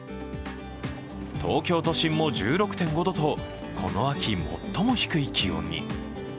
東京都心も１６．５度とこの秋最も低い気温に。